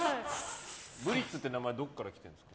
ブリッツという名前はどこからきてるんですか？